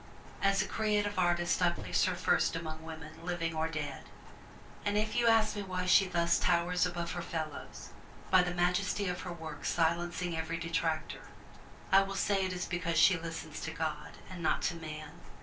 As a Creative Artist I place her first among women, living or dead. And if you ask me why she thus towers above her fellows, by the majesty of her work silencing every detractor, I will say it is because she listens to God, and not to man.